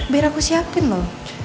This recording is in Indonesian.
biar aku siapin loh